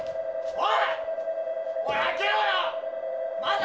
おい！